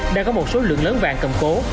đã có một số lượng lớn vàng cầm cố